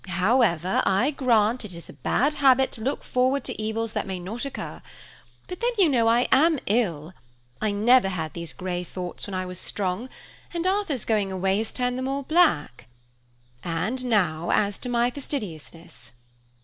However, I grant it is a bad habit to look forward to evils that may not occur; but then, you know, I am ill. I never had these grey thoughts when I was strong, and Arthur's going away has turned them all black. And now as to my fastidiousness."